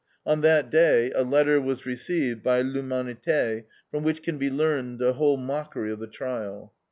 On that day a letter was received by L'HUMANITE, from which can be learned the whole mockery of the trial.